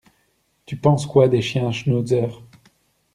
Tu penses quoi des chiens schnauzer?